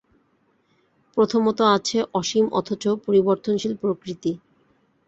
প্রথমত আছে অসীম অথচ পরিবর্তশীল প্রকৃতি।